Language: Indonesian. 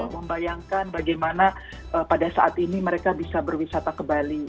membayangkan bagaimana pada saat ini mereka bisa berwisata ke bali